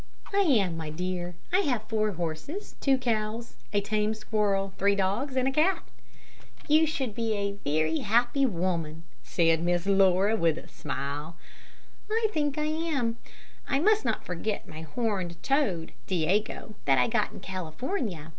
"I am, my dear. I have four horses, two cows, a tame squirrel, three dogs, and a cat." "You should be a happy woman," said Miss Laura, with a smile. "I think I am. I must not forget my horned toad, Diego, that I got in California.